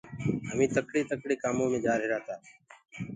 هميٚ تڪڙي ٿڪڙي ڪآمو مي جآرهيرآ تآ۔